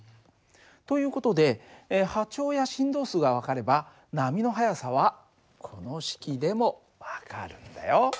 という事で波長や振動数が分かれば波の速さはこの式でも分かるんだよ。